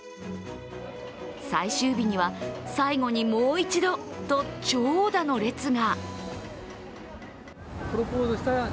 最終日には、最後にもう一度と長蛇の列が。